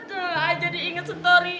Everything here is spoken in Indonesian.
saya jadi ingat story